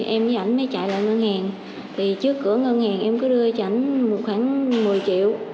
em với ảnh mới chạy lại ngân hàng thì trước cửa ngân hàng em cứ đưa cho ảnh khoảng một mươi triệu